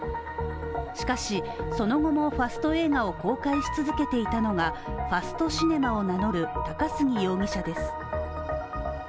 しかし、その後もファスト映画を公開し続けていたのがファストシネマを名乗る高杉容疑者です。